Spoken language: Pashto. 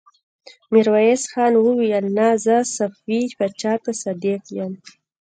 ميرويس خان وويل: نه! زه صفوي پاچا ته صادق يم.